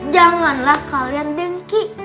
janganlah kalian dengki